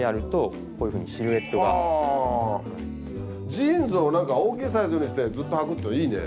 ジーンズをなんか大きいサイズにしてずっとはくといいね。